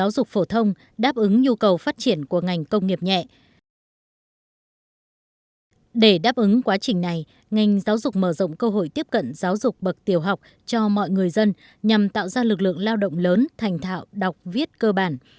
để đáp ứng quá trình này ngành giáo dục mở rộng cơ hội tiếp cận giáo dục bậc tiểu học cho mọi người dân nhằm tạo ra lực lượng lao động lớn thành thạo đọc viết cơ bản